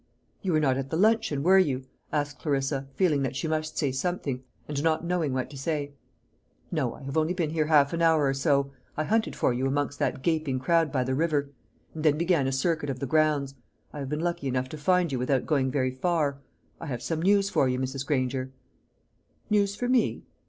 "You were not at the luncheon, were you?" asked Clarissa, feeling that she must say something, and not knowing what to say. "No; I have only been here half an hour or so. I hunted for you amongst that gaping crowd by the river, and then began a circuit of the grounds. I have been lucky enough to find you without going very far. I have some news for you, Mrs. Granger." "News for me?"